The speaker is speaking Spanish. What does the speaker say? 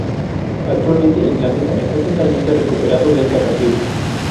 Actualmente, el planeta está totalmente recuperado del cataclismo.